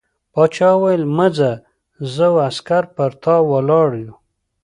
باچا وویل مه ځه زه او عسکر پر تا ولاړ یو.